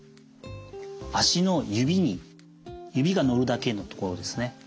足の指に指がのるだけのところですね。